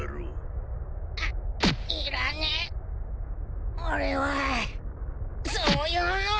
いらねえ俺はそういうの。